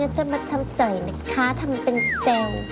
จะมาทำใจนะคะทำเป็นแซว